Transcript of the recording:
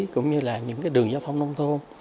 cũng như là những cái đường giao thông nông thôn